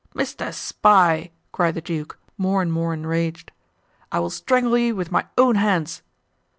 "Mr. Spy," cried the duke, more and more enraged, "I will strangle you with my own hands."